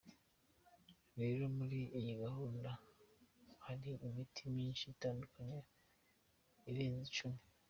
Rero muri iyi gahunda hari imiti myinshi itandukanye irenze icumi.